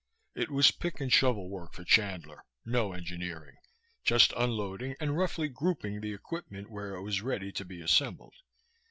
It was pick and shovel work for Chandler, no engineering, just unloading and roughly grouping the equipment where it was ready to be assembled.